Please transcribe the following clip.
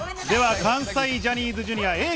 では関西ジャニーズＪｒ．Ａぇ！